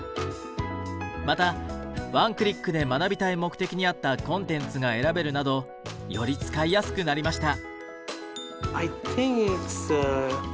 またワンクリックで学びたい目的に合ったコンテンツが選べるなどより使いやすくなりました。